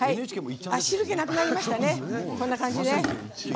汁気なくなりましたね。